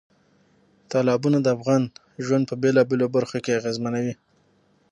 تالابونه د افغانانو ژوند په بېلابېلو برخو کې اغېزمنوي.